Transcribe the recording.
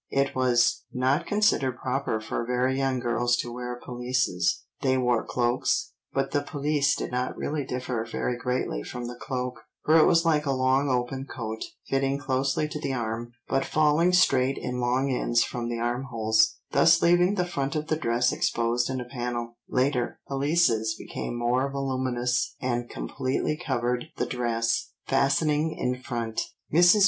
It was not considered proper for very young girls to wear pelisses, they wore cloaks, but the pelisse did not really differ very greatly from the cloak, for it was like a long open coat, fitting closely to the arm, but falling straight in long ends from the armholes, thus leaving the front of the dress exposed in a panel; later, pelisses became more voluminous and completely covered the dress, fastening in front. Mrs.